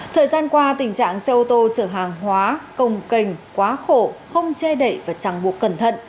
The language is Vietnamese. thời gian qua tình trạng xe mô tô chở hàng hóa công kênh quá khổ không che đẩy và chẳng buộc cẩn thận